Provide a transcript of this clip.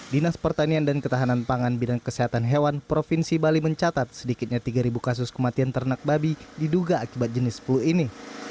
dinas pertanian dan ketahanan pangan bidang kesehatan hewan provinsi bali mencatat sedikitnya tiga kasus kematian ternak babi diduga akibat jenis flu ini